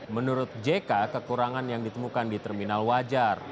menurut jk kekurangan yang ditemukan di terminal wajar